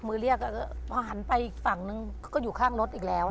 เรียกพอหันไปอีกฝั่งนึงก็อยู่ข้างรถอีกแล้ว